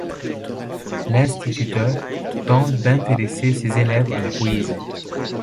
L’instituteur tente d’intéresser ses élèves à la poésie.